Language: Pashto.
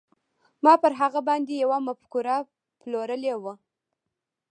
ما پر هغه باندې يوه مفکوره پلورلې وه.